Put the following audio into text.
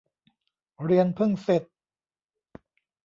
เรียนเพิ่งเสร็จ